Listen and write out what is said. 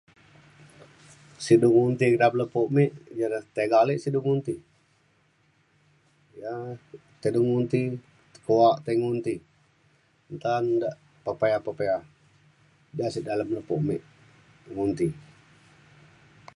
sik du ngundi dalem lepo mik jane tega alek sik du ngundi ja tai du ngundi kuak tai ngundi taun de' pepe'a pepe'a ja sik dalem lepo' mik ngundi.